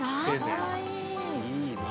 いいなあ。